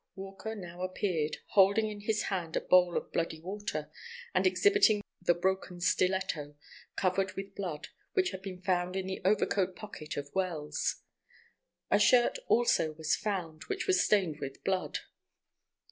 Walker now appeared, holding in his hand a bowl of bloody water, and exhibiting the broken stiletto, covered with blood, which had been found in the overcoat pocket of Wells. A shirt, also, was found, which was stained with blood.